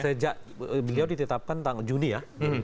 sejak beliau ditetapkan tanggal juni ya